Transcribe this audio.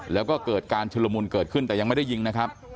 แล้วก็เกิดการชุลมุนเกิดขึ้นแต่ยังไม่ได้ยิงนะครับ